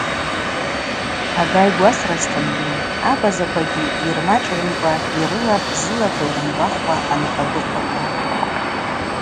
Ага йгвасразтынгьи, абазаквагьи ймачӏгӏвымкӏва йрылапӏ зылаква йрымбахуа аныкъвадыкъваква.